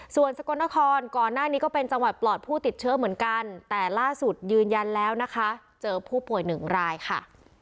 ส่วนสกลนครก่อนหน้านี้ก็เป็นจังหวัดปลอดผู้ติดเชื้อเหมือนกันแต่ล่าสุดยืนยันแล้วนะคะเจอผู้ป่วยหนึ่งรายค่ะ